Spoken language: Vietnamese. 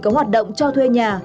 chỉ có hoạt động cho thuê nhà